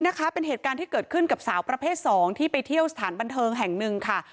นะคะเป็นเหตุการณ์ที่เกิดขึ้นกับสาวประเภทสองที่ไปเที่ยวสถานบันเทิงแห่งหนึ่งค่ะ